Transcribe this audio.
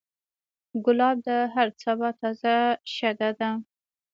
ګلاب د هر سبا تازه شګه ده.